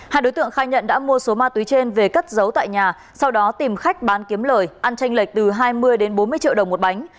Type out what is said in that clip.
hai đối tượng khai nhận đã mua số ma túy trên về cất giấu tại nhà sau đó tìm khách bán kiếm lời ăn tranh lệch từ hai mươi bốn mươi triệu đồng một bánh